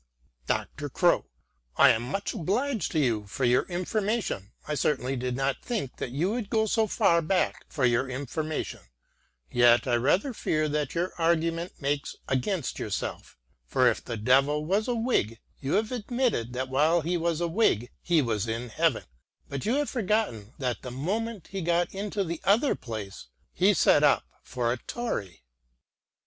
Dr. Crowe :" I am much obliged to you for your information; I certainly did not think that you would go so far back for your information, yet I rather fear that your argument makes against yourself ; for if the Devil was a Whig you have admitted that while he was a Whig he was in Heaven, but you have forgotten that the moment he got into the other place — ^he set up for a Tory."